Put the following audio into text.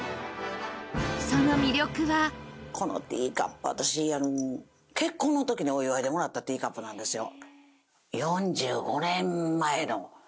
このティーカップ私結婚の時にお祝いでもらったティーカップなんですよ。